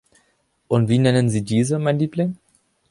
Und wie nennen Sie diese, mein Liebling?